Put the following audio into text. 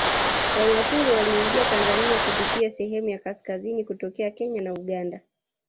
Wanyaturu waliingia Tanzania kupitia sehemu ya kaskazini kutokea Kenya na Uganda